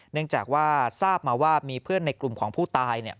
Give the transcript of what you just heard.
เนื่องจากว่าทราบมาว่ามีเพื่อนในกลุ่มของผู้ตายเนี่ย